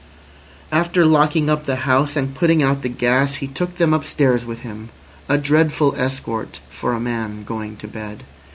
After locking up the house and putting out the gas he took them upstairs with him—a dreadful escort for a man going to bed.